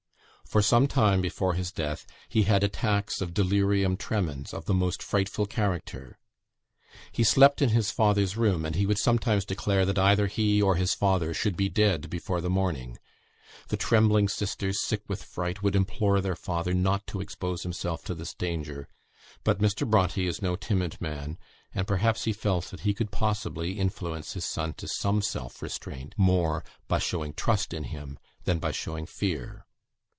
For some time before his death he had attacks of delirium tremens of the most frightful character; he slept in his father's room, and he would sometimes declare that either he or his father should be dead before the morning. The trembling sisters, sick with fright, would implore their father not to expose himself to this danger; but Mr. Bronte is no timid man, and perhaps he felt that he could possibly influence his son to some self restraint, more by showing trust in him than by showing fear.